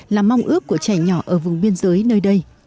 là mong ước của trẻ nhỏ ở vùng biên giới nơi đây